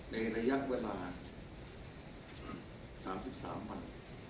ในระยะเวลา๓๓วัน